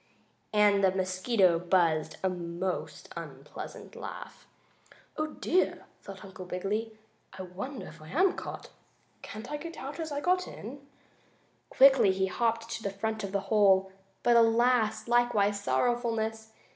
and the mosquito buzzed a most unpleasant laugh. "Oh, dear!" thought Uncle Wiggily. "I wonder if I am caught? Can't I get out as I got in?" Quickly he hopped to the front of the hole. But alas! Likewise sorrowfulness!